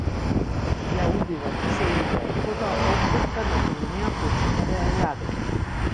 Ја убива, гушејќи ја, и потоа обвиткан околу неа почнува да ја јаде.